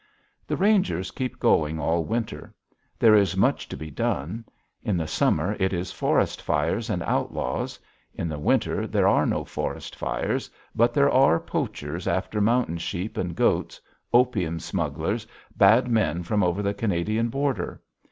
The rangers keep going all winter. There is much to be done. In the summer it is forest fires and outlaws. In the winter there are no forest fires, but there are poachers after mountain sheep and goats, opium smugglers, bad men from over the Canadian border.